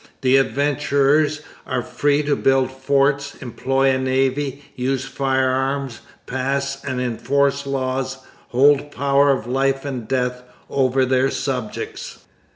The adventurers are free to build forts, employ a navy, use firearms, pass and enforce laws, hold power of life and death over their subjects.